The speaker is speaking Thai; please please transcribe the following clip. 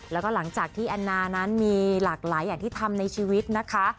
แล้วก็หลังจากที่แอนนานั้นมีหลากหลายอย่างที่ทำในชีวิตนะคะ